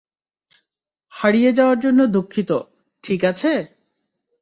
হারিয়ে যাওয়ার জন্য দুঃখিত, ঠিক আছে?